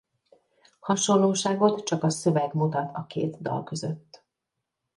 Hasonlóságot csak a szöveg mutat a két dal között.